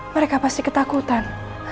mereka pasti ketakutan